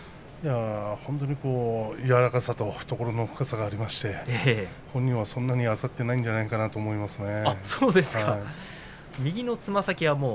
本当に柔らかさと懐の深さがありまして本人はそんなに焦ってないと思いますね。